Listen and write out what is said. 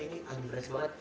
ini amberes banget